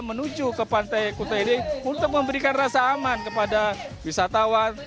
menuju ke pantai kuta ini untuk memberikan rasa aman kepada wisatawan